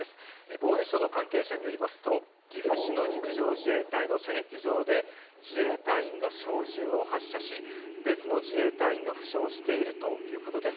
防衛省の関係者によりますと、岐阜市の陸上自衛隊の射撃場で自衛隊員が小銃を発射し、別の自衛隊員が負傷しているということです。